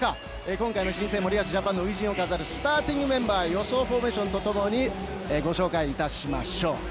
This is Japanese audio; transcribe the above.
今回の新生森保ジャパンの初陣を飾るスターティングメンバー予想フォーメーションと共にご紹介いたしましょう。